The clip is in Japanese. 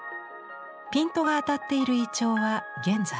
ピントが当たっているイチョウは現在。